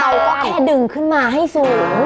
เราก็แค่ดึงขึ้นมาให้สูง